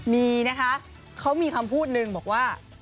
มีนะคะเขามีคำพูดหนึ่งบอกว่า